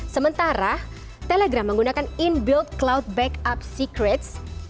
sementara telegram menggunakan inbuilt cloud backup secrets